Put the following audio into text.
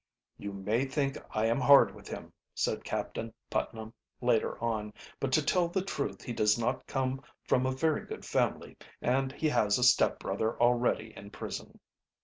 "You may think I am hard with him," said Captain Putnam, later on, "but to tell the truth he does not come from a very good family and he has a step brother already in prison."